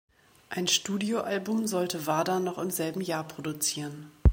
Ein Studioalbum sollte Wader noch im selben Jahr produzieren.